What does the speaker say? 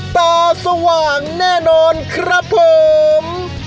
ตาสว่างแน่นอนครับผม